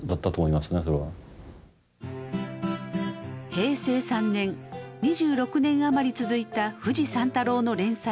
平成３年２６年余り続いた「フジ三太郎」の連載が終了。